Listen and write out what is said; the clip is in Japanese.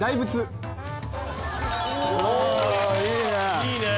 いいね！